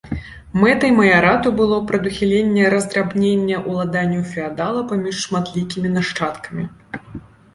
Мэтай маярату было прадухіленне раздрабнення уладанняў феадала паміж шматлікімі нашчадкамі.